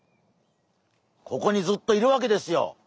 ここにずっといるわけですよ。